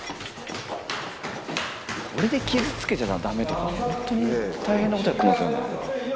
これで傷つけちゃダメとかホントに大変なことやってるんですよね。